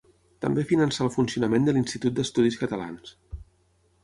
També finançà el funcionament de l'Institut d'Estudis Catalans.